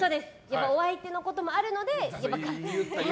お相手のこともあるので。